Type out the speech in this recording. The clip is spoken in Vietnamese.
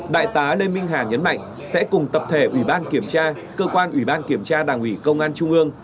đại tá lê minh hà nhấn mạnh sẽ cùng tập thể ủy ban kiểm tra cơ quan ủy ban kiểm tra đảng ủy công an trung ương